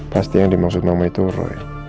pasti yang dimaksud mama itu roy